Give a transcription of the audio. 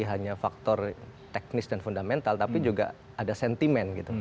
hanya faktor teknis dan fundamental tapi juga ada sentimen gitu